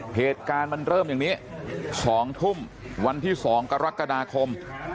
เหตุการณ์มันเริ่มอย่างนี้๒ทุ่มวันที่๒กรกฎาคม